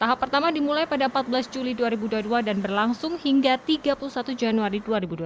tahap pertama dimulai pada empat belas juli dua ribu dua puluh dua dan berlangsung hingga tiga puluh satu januari dua ribu dua puluh